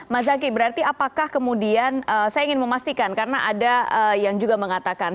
mas zaky berarti apakah kemudian saya ingin memastikan karena ada yang juga mengatakan